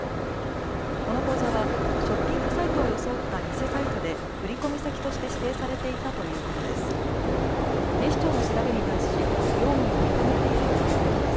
この口座はショッピングサイトを装った偽サイトで振込先として指定されていたということです。